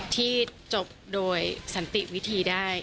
ที่จบโดยสันติวิธีได้